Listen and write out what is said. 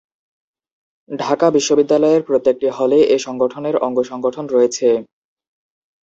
ঢাকা বিশ্ববিদ্যালয়ের প্রত্যেকটি হলে এ সংগঠনের অঙ্গ সংগঠন রয়েছে।